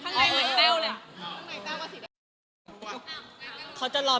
นี่มะขานะครับ